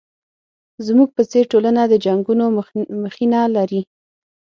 زموږ په څېر ټولنه د جنګونو مخینه لري.